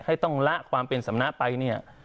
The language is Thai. ให้ต้องละความเป็นสำนักไปเนี่ย